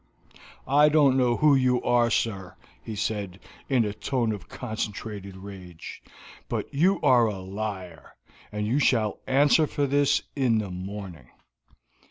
"I don't know who you are, sir," he said, in a tone of concentrated rage, "but you are a liar, and you shall answer for this in the morning."